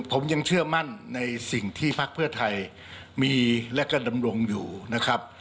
ผมยังเชื่อมั่นในสิ่งที่พักเพื่อไทยมีและก็ดำรงอยู่นะครับ